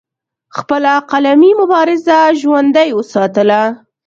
خپله قلمي مبارزه ژوندۍ اوساتله